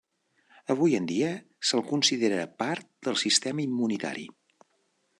Avui en dia se'ls considera part del sistema immunitari.